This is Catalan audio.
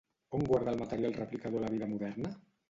On guarda el material replicador la vida moderna?